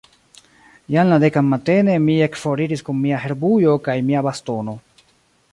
Jam la dekan matene, mi ekforiris kun mia herbujo kaj mia bastono.